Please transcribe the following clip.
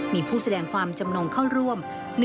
มีผู้แสดงความจำนงเข้าร่วม